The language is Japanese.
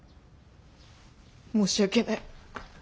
申し訳ない。